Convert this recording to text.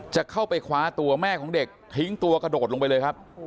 จะเข้าไปคว้าตัวแม่ของเด็กทิ้งตัวกระโดดลงไปเลยครับ